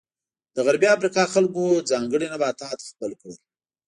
د غربي افریقا خلکو ځانګړي نباتات خپل کړل.